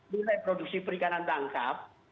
nilai produksi perikanan tangkap